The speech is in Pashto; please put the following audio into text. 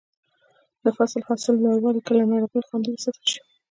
د فصل حاصل لوړوي که له ناروغیو خوندي وساتل شي.